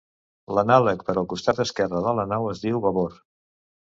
L'anàleg per al costat esquerre de la nau es diu babord.